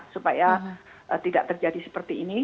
supaya tidak terjadi seperti ini